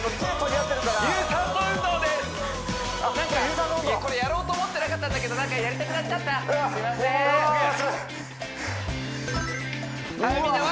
あっ有酸素運動やろうと思ってなかったんだけどなんかやりたくなっちゃったすみませんうわ